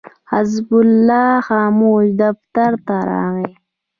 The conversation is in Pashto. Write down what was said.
حزب الله خاموش دفتر ته راغی.